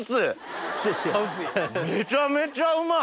めちゃめちゃうまい！